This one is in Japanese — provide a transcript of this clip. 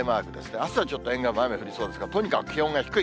あすはちょっと沿岸部、雨が降りそうですが、とにかく気温が低い。